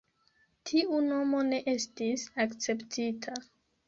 Tiu nomo ne estis akceptita.